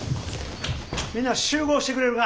みんな集合してくれるか。